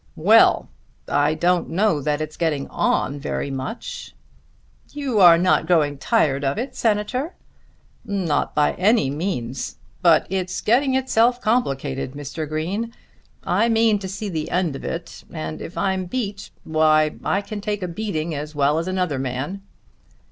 "Well! I don't know that it's getting on very much." "You are not growing tired of it, Senator?" "Not by any means. But it's getting itself complicated, Mr. Green. I mean to see the end of it, and if I'm beat, why I can take a beating as well as another man."